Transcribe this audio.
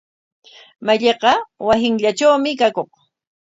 Malliqa wasinllatrawmi kakuq.